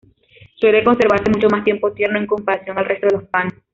Suele conservarse mucho más tiempo tierno en comparación al resto de los panes.